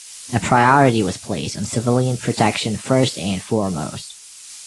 A priority was placed on civilian protection first and foremost.